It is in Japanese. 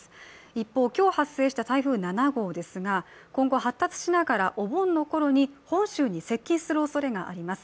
一方今日発生した台風７号ですが今後発達しながら、お盆のころに本州に接近するおそれがあります。